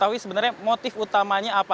tapi sebenarnya motif utamanya apa